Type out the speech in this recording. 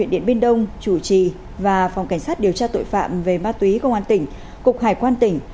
điện biên đông chủ trì và phòng cảnh sát điều tra tội phạm về ma túy công an tỉnh cục hải quan tỉnh